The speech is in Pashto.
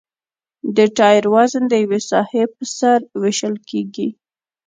د ټایر وزن د یوې ساحې په سر ویشل کیږي